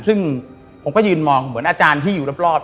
ซึ่งผมก็ยืนมองเหมือนอาจารย์ที่อยู่รอบ